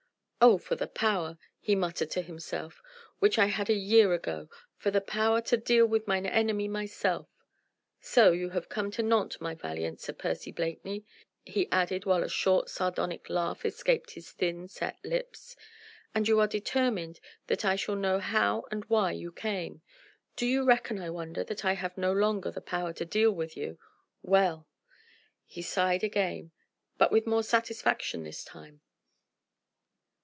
"Oh! for the power," he muttered to himself, "which I had a year ago! for the power to deal with mine enemy myself. So you have come to Nantes, my valiant Sir Percy Blakeney?" he added while a short, sardonic laugh escaped his thin, set lips: "and you are determined that I shall know how and why you came! Do you reckon, I wonder, that I have no longer the power to deal with you? Well!..." He sighed again but with more satisfaction this time.